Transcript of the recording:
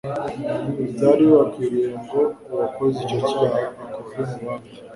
byari bibakwiriye ngo uwakoze icyo cyaha akurwe mu bandi